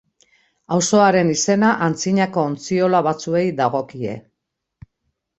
Auzoaren izena antzinako ontziola batzuei dagokie.